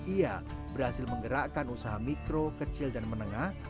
ia berhasil menggerakkan usaha mikro kecil dan menengah